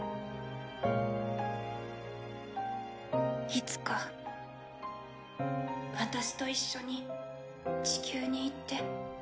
いつか・私と一緒に地球に行って。